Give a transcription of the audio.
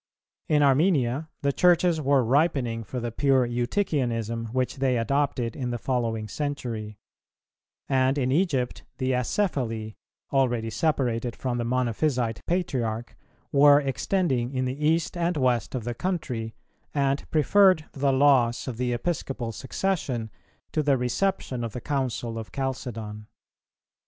[321:2] In Armenia the Churches were ripening for the pure Eutychianism which they adopted in the following century; and in Egypt the Acephali, already separated from the Monophysite Patriarch, were extending in the east and west of the country, and preferred the loss of the Episcopal Succession to the reception of the Council of Chalcedon.